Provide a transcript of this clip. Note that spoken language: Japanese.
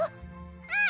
うん！